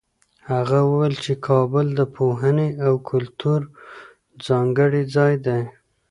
هغه وویل چي کابل د پوهنې او کلتور ځانګړی ځای دی.